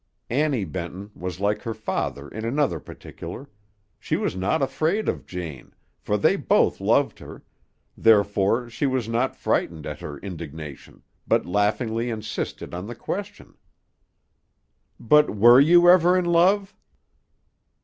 Annie Benton was like her father in another particular; she was not afraid of Jane, for they both loved her; therefore she was not frightened at her indignation, but laughingly insisted on the question. "But were you ever in love?"